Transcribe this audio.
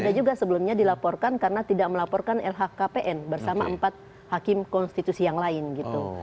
ada juga sebelumnya dilaporkan karena tidak melaporkan lhkpn bersama empat hakim konstitusi yang lain gitu